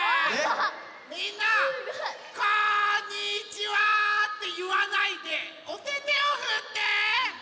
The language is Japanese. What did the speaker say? みんな「こんにちは！」っていわないでおててをふって！